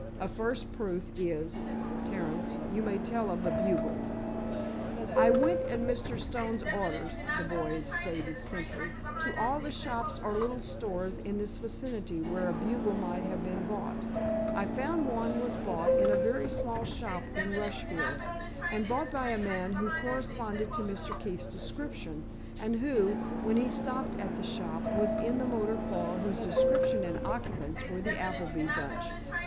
A first proof is—Terence, you may tell of the bugle." "I went, at Mr. Stone's orders," the boy stated, simply, "to all the shops or little stores in this vicinity where a bugle might have been bought; I found one was bought in a very small shop in Rushfield and bought by a man who corresponded to Mr. Keefe's description, and who, when he stopped at the shop, was in a motor car whose description and occupants were the Appleby bunch.